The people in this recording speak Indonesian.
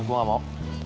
gue gak mau